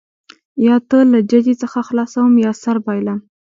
یا تا له ججې څخه خلاصوم یا سر بایلم.